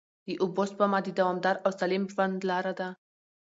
د اوبو سپما د دوامدار او سالم ژوند لاره ده.